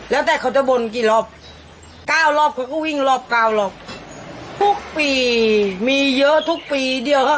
แล้วแต่เขาจะบนกี่รอบเก้ารอบเขาก็วิ่งรอบเก้าหรอกทุกปีมีเยอะทุกปีเดียวค่ะ